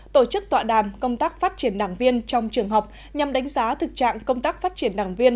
tổ chức tọa đàm công tác phát triển đảng viên trong trường học nhằm đánh giá thực trạng công tác phát triển đảng viên